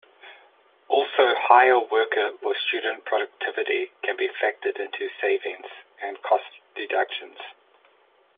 Also, higher worker or student productivity can be factored into savings and cost deductions.